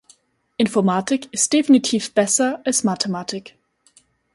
Informatik ist definitiv besser als Mathematik